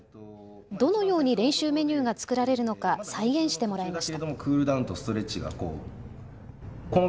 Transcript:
どのように練習メニューが作られるのか再現してもらいました。